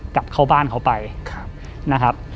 กลับเข้าบ้านเขาไปนะครับ